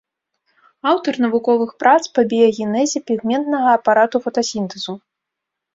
Аўтар навуковых прац па біягенезе пігментнага апарату фотасінтэзу.